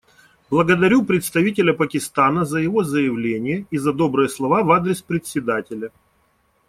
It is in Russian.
Благодарю представителя Пакистана за его заявление и за добрые слова в адрес Председателя.